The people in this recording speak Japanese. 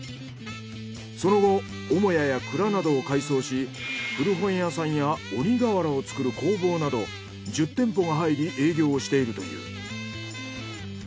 その後母屋や蔵などを改装し古本屋さんや鬼瓦を作る工房など１０店舗が入り営業をしているという。